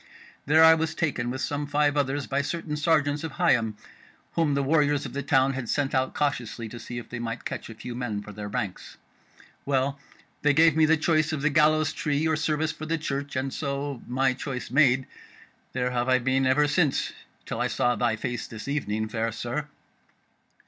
There was I taken with some five others by certain sergeants of Higham, whom the warriors of the town had sent out cautiously to see if they might catch a few men for their ranks. Well, they gave me the choice of the gallows tree or service for the Church, and so, my choice made, there have I been ever since, till I saw thy face this evening, fair sir."